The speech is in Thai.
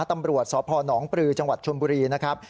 ตำรวจสพนปลือจังหวัดชนบุรีนะครับ